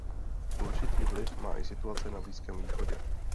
Určitý vliv má i situace na Blízkém východě.